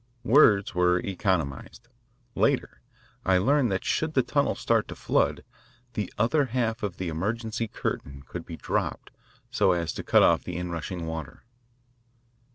Words were economised. Later, I learned that should the tunnel start to flood, the other half of the emergency curtain could be dropped so as to cut off the inrushing water.